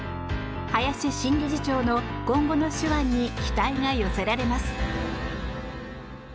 林新理事長の今後の手腕に期待が寄せられます。